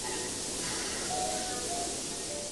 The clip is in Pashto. د ټولنیزو اړيکو پياوړتيا به تلپاتې وي.